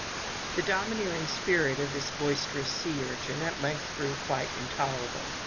The domineering spirit of this boisterous sea urchin at length grew quite intolerable.